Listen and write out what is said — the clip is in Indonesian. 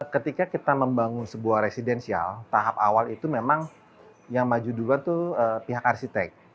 ketika kita membangun sebuah residensial tahap awal itu memang yang maju duluan itu pihak arsitek